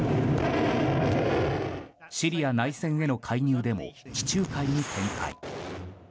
シリア内戦への介入でも地中海に展開。